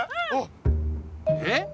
えっ？